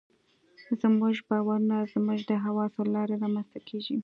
زموږ باورونه زموږ د حواسو له لارې رامنځته کېږي.